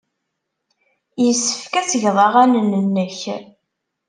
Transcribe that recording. Yessefk ad tged aɣanen-nnek.